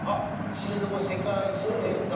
知床世界自然遺産。